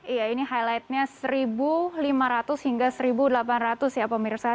iya ini highlightnya satu lima ratus hingga satu delapan ratus ya pemirsa